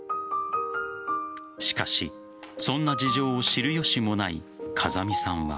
しかし、そんな事情を知る由もない風見さんは。